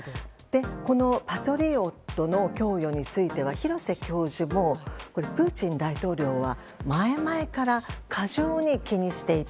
このパトリオットの供与については廣瀬教授もプーチン大統領は前々から過剰に気にしていた。